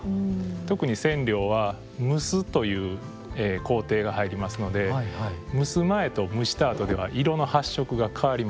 特に染料は蒸すという工程が入りますので蒸す前と蒸したあとでは色の発色が変わります。